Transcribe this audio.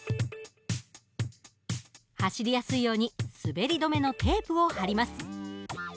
走りやすいように滑り止めのテープを貼ります。